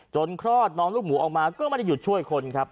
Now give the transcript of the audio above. คลอดน้องลูกหมูออกมาก็ไม่ได้หยุดช่วยคนครับ